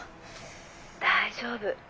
大丈夫。